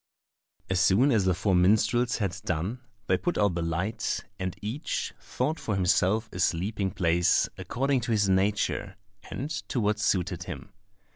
As soon as the four minstrels had done, they put out the light, and each sought for himself a sleeping place according to his nature and to what suited him.